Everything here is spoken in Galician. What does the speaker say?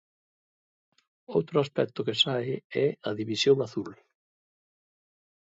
Outro aspecto que sae é a División Azul.